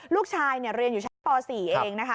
ลูกชายเรียนอยู่ชั้นป๔เองนะคะ